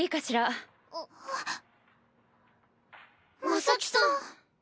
真咲さん。